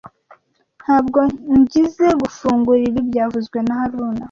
Ntabwo ngizoe gufungura ibi byavuzwe na haruna